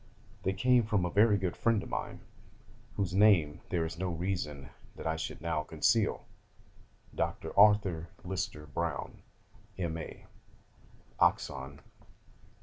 They came from a very good friend of mine, whose name there is no reason that I should now conceal Dr. Arthur Lister Browne, M.A. (Oxon.)